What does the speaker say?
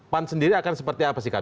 pan sendiri akan seperti apa sih kang